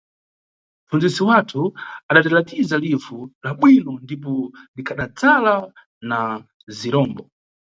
Mʼpfundzisi wathu adatilatiza livu la bwino ndipo likhadadzala na zirombo.